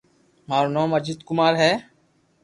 مارو نوم اجيت ڪمار ھي